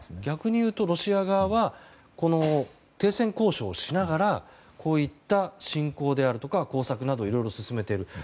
逆にいうとロシア側は停戦交渉をしながらこういった侵攻であるとか工作をいろいろ進めている。